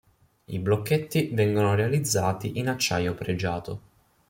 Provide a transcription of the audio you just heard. I blocchetti vengono realizzati in acciaio pregiato.